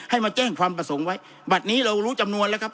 มาแจ้งความประสงค์ไว้บัตรนี้เรารู้จำนวนแล้วครับ